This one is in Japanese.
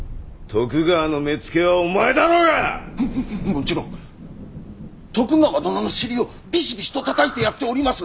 もちろん徳川殿の尻をビシビシとたたいてやっております！